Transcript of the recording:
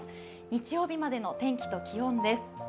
日曜日までの天気と気温です。